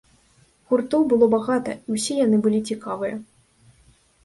Гуртоў было багата і ўсе яны былі цікавыя.